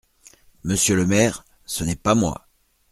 Monsieur le maire… ce n’est pas moi.